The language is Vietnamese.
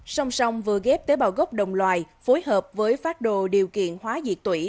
sông sông vừa ghép tế bào gốc đồng loài phối hợp với phát đồ điều kiện hóa diệt tủy